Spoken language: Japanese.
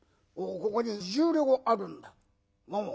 ここに１０両あるんだ。